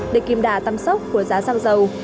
để kim đà tâm sốc của giá xăng dầu